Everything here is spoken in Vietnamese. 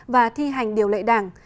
và thi hành điều lệ đảng